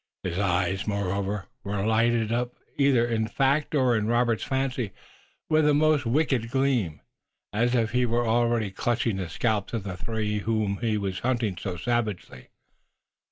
His eyes, moreover, were lighted up either in fact or in Robert's fancy with a most wicked gleam, as if he were already clutching the scalps of the three whom he was hunting so savagely.